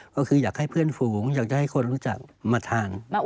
ก็คืออยากให้เพื่อนฝูงอยากจะให้คนรู้จักมาทาน